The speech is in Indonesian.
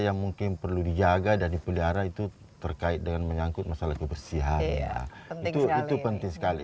yang mungkin perlu dijaga dan dipelihara itu terkait dengan menyangkut masalah kebersihan itu itu penting sekali